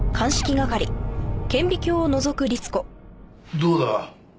どうだ？